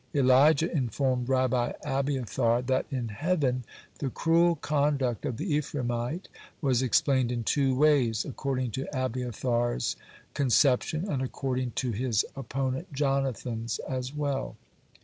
Elijah informed Rabbi Abiathar that in heaven the cruel conduct of the Ephraimite was explained in two ways, according to Abiathar's conception and according to his opponent Jonathan's as well.